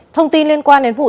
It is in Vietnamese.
thông tin liên quan đến vụ trị